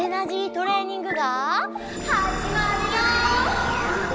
トレーニングがはじまるよ！